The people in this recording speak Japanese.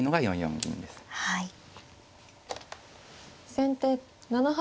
先手７八玉。